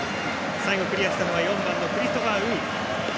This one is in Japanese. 最後クリアしたのは４番のクリストファー・ウー。